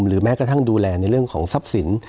แม้กระทั่งดูแลในเรื่องของทรัพย์สิน